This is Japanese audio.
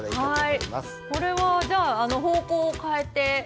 これはじゃあ方向を変えて？